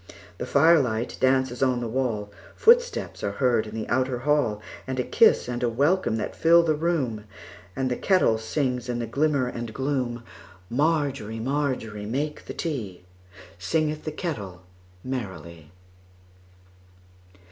The firelight dances upon the wall, Footsteps are heard in the outer hall, And a kiss and a welcome that fill the room, And the kettle sings in the glimmer and gloom. Margery, Margery, make the tea, Singeth the kettle merrily.